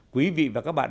quý vị và các bạn